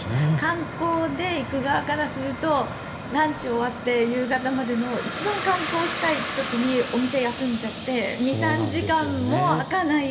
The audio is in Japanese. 観光で行く側からするとランチが終わって夕方までの一番観光したい時にお店休んじゃって２３時間も開かない。